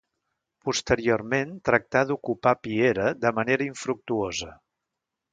Posteriorment, tractà d'ocupar Piera de manera infructuosa.